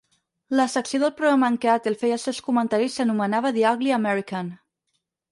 La secció del programa en què Attell feia els seus comentaris s'anomenava "The ugly American".